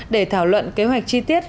để thảo luận kế hoạch chi tiết